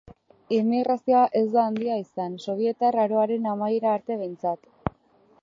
Emigrazioa ez da handia izan, sobietar aroaren amaiera arte behintzat.